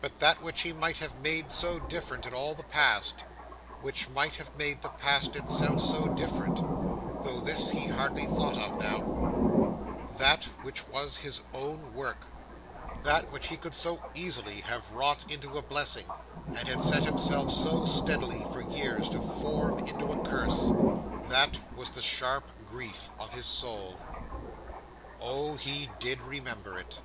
But that which he might have made so different in all the Past—which might have made the Past itself so different, though this he hardly thought of now—that which was his own work, that which he could so easily have wrought into a blessing, and had set himself so steadily for years to form into a curse: that was the sharp grief of his soul. Oh! He did remember it!